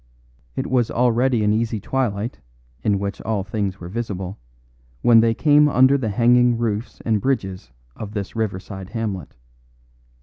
It was already an easy twilight, in which all things were visible, when they came under the hanging roofs and bridges of this riverside hamlet.